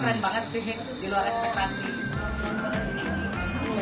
keren banget sih di luar ekspektasi